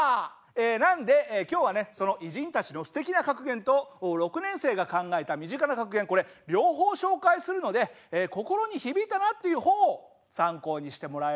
なんで今日はねその偉人たちのすてきな格言と６年生が考えた身近な格言これ両方紹介するので心に響いたなっていう方を参考にしてもらえればなって思います。